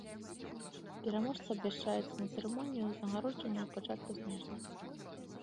Пераможцы абвяшчаюцца на цырымоніі ўзнагароджання ў пачатку снежня.